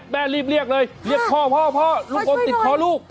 แม่รีบเรียกเลยเรียกพ่อพ่อลูกอมติดคอลูก